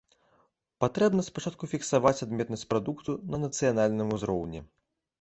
Патрэбна спачатку фіксаваць адметнасць прадукту на нацыянальным узроўні.